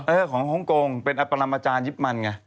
ของฮ่องกงเป็นอปรัมอาจารยิปมันไง